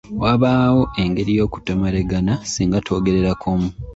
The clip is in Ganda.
Wabaawo engeri y'okutomeragana singa twogerera kumu.